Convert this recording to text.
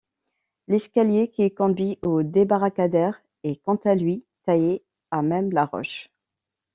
L'escalier qui conduit au débarcadère est quant à lui taillé à même la roche.